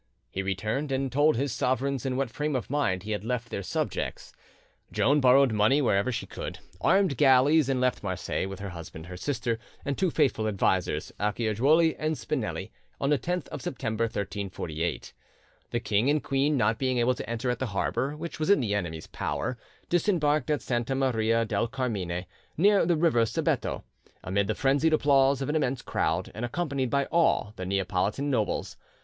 he returned and told his sovereigns in what frame of mind he had left their subjects. Joan borrowed money wherever she could, armed galleys, and left Marseilles with her husband, her sister, and two faithful advisers, Acciajuoli and Spinelli, on the 10th of September 1348. The king and queen not being able to enter at the harbour, which was in the enemy's power, disembarked at Santa Maria del Carmine, near the river Sebeto, amid the frenzied applause of an immense crowd, and accompanied by all the Neapolitan nobles.